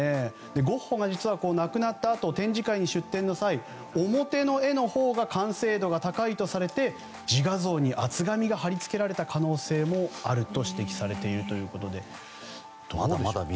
ゴッホが亡くなったあと展示会に出展の際表の絵のほうが完成度が高いとされて自画像に厚紙が張り付けられた可能性もあると指摘されているということでどうなんでしょう。